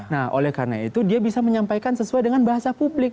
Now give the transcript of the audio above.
nah oleh karena itu dia bisa menyampaikan sesuai dengan bahasa publik